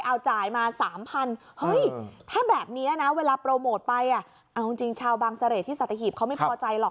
เอาจ่ายมา๓๐๐๐บาทเฮ้ยถ้าแบบนี้เวลาโปรโมทไปอันนั้นจริงชาวบางเสลยที่สัตเฮียบเขาไม่พอใจหรอก